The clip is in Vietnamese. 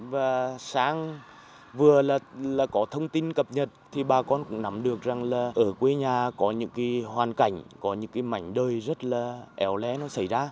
và sáng vừa là có thông tin cập nhật thì bà con cũng nắm được rằng là ở quê nhà có những cái hoàn cảnh có những cái mảnh đời rất là éo lé nó xảy ra